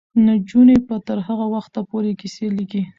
نجونې به تر هغه وخته پورې کیسې لیکي.